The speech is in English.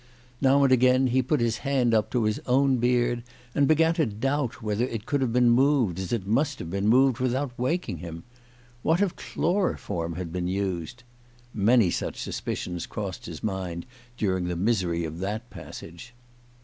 Now and again he put his hand up to his own beard, and began to doubt whether it could have been moved, as it must have been moved, without waking him. What if chloroform had been used ? Many such suspicions crossed his mind during the misery of that passage.